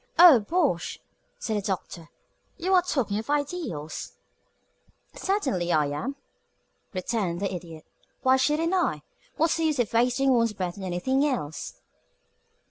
"Oh, bosh!" said the Doctor. "You are talking of ideals." "Certainly I am," returned the Idiot. "Why shouldn't I? What's the use of wasting one's breath on anything else?"